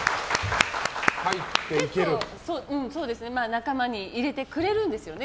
仲間に入れてくれるんですよね